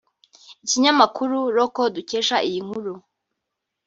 Ikinyamakuru Local dukesha iyi nkuru